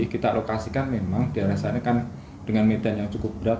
kita alokasikan memang daerah sana kan dengan medan yang cukup berat